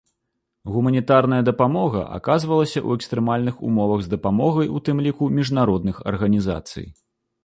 Гуманітарная дапамога аказвалася ў экстрэмальных умовах з дапамогай, у тым ліку, міжнародных арганізацый.